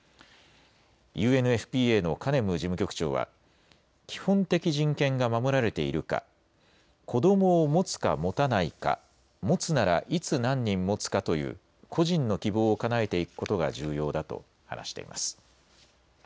ＵＮＦＰＡのカネム事務局長は基本的人権が守られているか、子どもを持つか持たないか、持つならいつ何人持つかという個人の希望をかなえていくことが重要だと話しています。